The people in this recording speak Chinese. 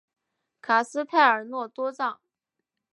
卡斯泰尔诺多藏。